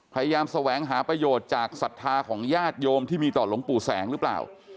แสวงหาประโยชน์จากศรัทธาของญาติโยมที่มีต่อหลวงปู่แสงหรือเปล่า